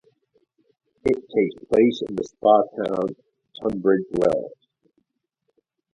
It takes place in the spa town Tunbridge Wells.